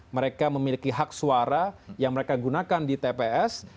mereka memiliki hak suara yang mereka gunakan di tps